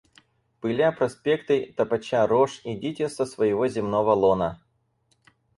Пыля проспекты, топоча рожь, идите со всего земного лона.